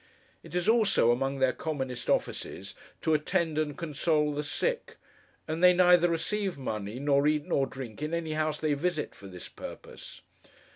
It is, also, among their commonest offices, to attend and console the sick; and they neither receive money, nor eat, nor drink, in any house they visit for this purpose.